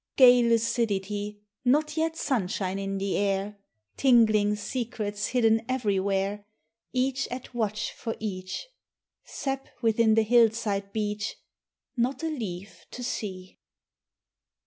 GAY lucidity, Not yet sunshine, in the air; Tinglingsecrets hidden everywhere, Each at watch for each ; Sap within the hillside beech. Not a leaf to see.